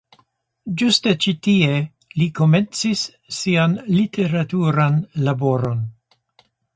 Ĝuste ĉi tie li komencis sian literaturan laboron.